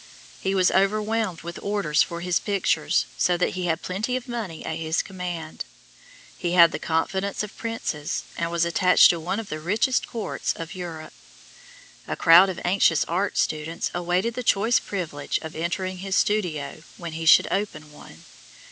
He was overwhelmed with orders for his pictures, so that he had plenty of money at his command. He had the confidence of princes, and was attached to one of the richest courts of Europe. A crowd of anxious art students awaited the choice privilege of entering his studio when he should open one.